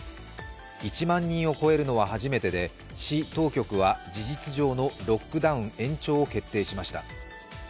１万人を超えるのは初めてで市当局は事実上のロックダウン延長を決定しました。